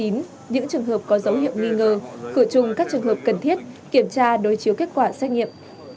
những trường hợp có dấu hiệu nghi ngờ khử trùng các trường hợp cần thiết kiểm tra đối chiếu kết quả xét nghiệm